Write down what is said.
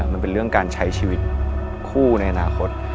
มันเป็นเรื่องการใช้ชีวิตคู่ในอนาคต